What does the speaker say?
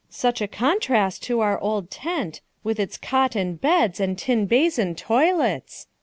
"Such, a contrast to our old tent with its cot beds, and tin basin toilets!